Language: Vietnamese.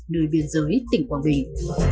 nơi biên giới tỉnh quảng bình